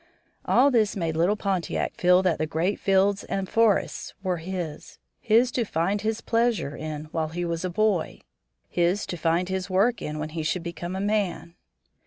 All this made little Pontiac feel that the great fields and forests were his his to find his pleasure in while he was a boy; his to find his work in when he should become a man.